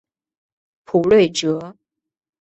卜睿哲。